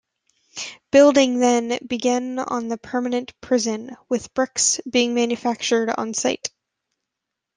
Building then began on the permanent prison, with bricks being manufactured on site.